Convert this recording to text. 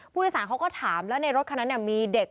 ผู้โดยสารเขาก็ถามแล้วในรถคันนั้นมีเด็ก